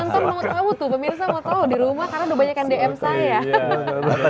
penonton mau tau tuh pemirsa mau tau di rumah karena udah banyakan dm saya